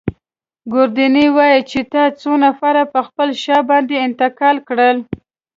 ګوردیني وايي چي تا څو نفره پر خپله شا باندې انتقال کړل.